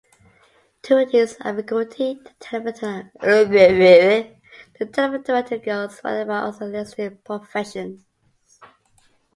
To reduce ambiguity, the telephone directory goes further by also listing professions.